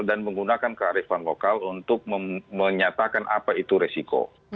menggunakan kearifan lokal untuk menyatakan apa itu resiko